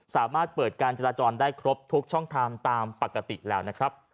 สามารถเปิดการจราจรได้ครบทุกช่องทางตามปกติแล้วนะครับ